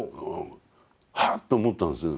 ハッと思ったんですよ